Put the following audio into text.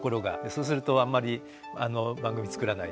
そうするとあんまり番組、作らない。